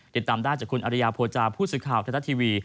ติดตามได้จากอริยาโพจารณ์ผู้ศึกข่าวแต๊ต้าทีวี